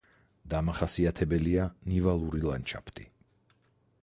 დამახასიათებელია ნივალური ლანდშაფტი.